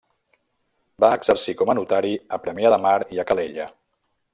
Va exercir com a notari a Premià de Mar i a Calella.